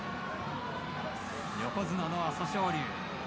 横綱の朝青龍。